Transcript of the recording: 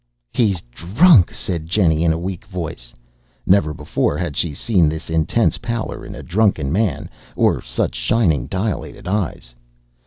"He's drunk," said Jennie in a weak voice. Never before had she seen this intense pallor in a drunken man, or such shining, dilated eyes.